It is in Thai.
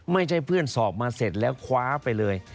ไม่ใช่เพื่อนสอบมาเสร็จแล้วคว้าไปเลย